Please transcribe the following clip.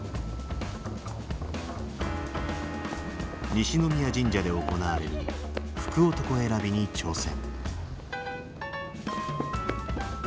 西宮神社で行われる「福男選び」に挑戦。